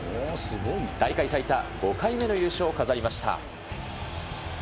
大会最多５回目の優勝を飾りました。